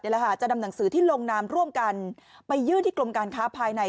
จะนำหนังสือที่ลงนามร่วมกันไปยื่นที่กรมการค้าภายใน